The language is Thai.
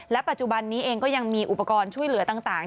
ปัจจุบันนี้เองก็ยังมีอุปกรณ์ช่วยเหลือต่าง